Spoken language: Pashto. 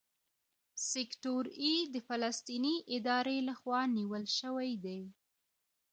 سیکټور اې د فلسطیني ادارې لخوا نیول شوی دی.